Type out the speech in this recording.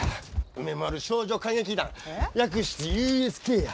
梅丸少女歌劇団略してＵＳＫや。